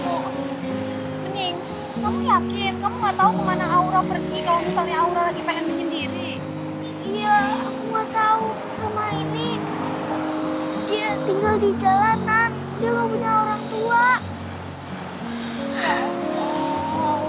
gak ada caranya kemana mana masih aja gak ketemu